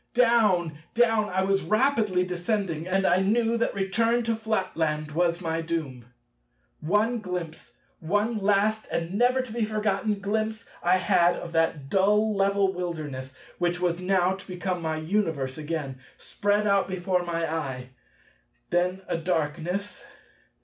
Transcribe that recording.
Down! down! down! I was rapidly descending; and I knew that return to Flatland was my doom. One glimpse, one last and never to be forgotten glimpse I had of that dull level wilderness—which was now to become my Universe again—spread out before my eye. Then a darkness.